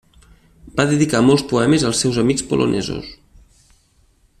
Va dedicar molts poemes als seus amics polonesos.